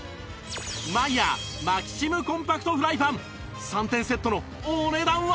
マイヤーマキシムコンパクトフライパン３点セットのお値段は？